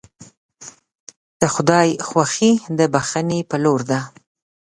د خدای خوښي د بښنې په لور ده.